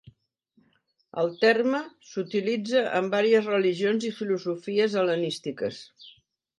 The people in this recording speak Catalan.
El terme s'utilitza en vàries religions i filosofies hel·lenístiques.